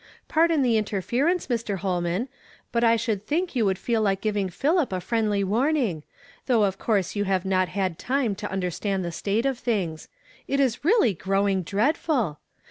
Pardon the inteifer ence, Mr. Ilolman ; but I should think you would feel like giving Philip a friendly warning _ though of course you have not had time to understand the state of things. It is really growing dreadful